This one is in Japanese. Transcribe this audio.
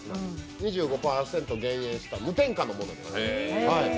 ２５％減塩した無添加のものです。